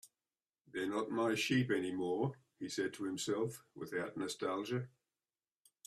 "They're not my sheep anymore," he said to himself, without nostalgia.